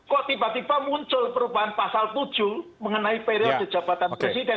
kok tiba tiba muncul perubahan pasal tujuh mengenai periode jabatan presiden